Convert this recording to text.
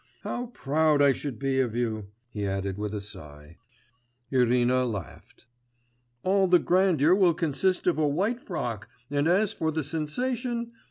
How proud I should be of you!' he added with a sigh. Irina laughed. 'All the grandeur will consist of a white frock, and as for the sensation....